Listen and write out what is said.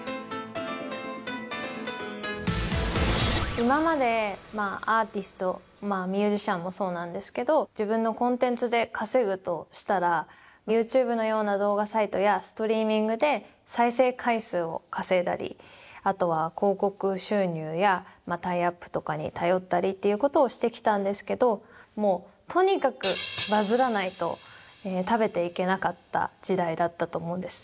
今までアーティストミュージシャンもそうなんですけど自分のコンテンツで稼ぐとしたらユーチューブのような動画サイトやストリーミングで再生回数を稼いだりあとは広告収入やタイアップとかに頼ったりっていうことをしてきたんですけどもうとにかく時代だったと思うんです。